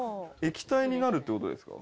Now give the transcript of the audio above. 液体になるって事ですか？